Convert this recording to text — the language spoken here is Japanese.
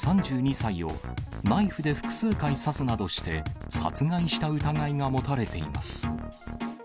３２歳をナイフで複数回刺すなどして、殺害した疑いが持たれています。